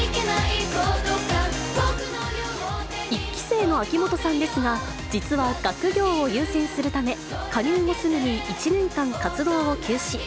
１期生の秋元さんですが、実は学業を優先するため、加入後すぐに１年間活動を休止。